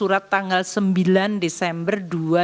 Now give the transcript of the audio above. surat tanggal sembilan desember dua ribu dua puluh